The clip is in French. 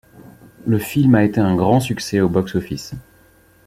Le film a été un grand succès au box-office.